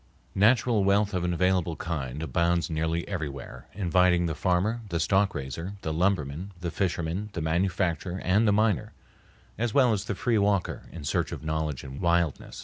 Natural wealth of an available kind abounds nearly everywhere, inviting the farmer, the stock raiser, the lumberman, the fisherman, the manufacturer, and the miner, as well as the free walker in search of knowledge and wildness.